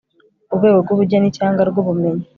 urwego rw ubugeni cyangwa rw ubumenyi